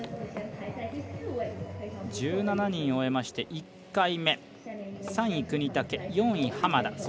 １７人終えまして１回目３位、國武、３位、浜田。